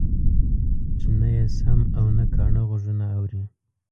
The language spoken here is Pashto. چې نه يې سم او نه کاڼه غوږونه اوري.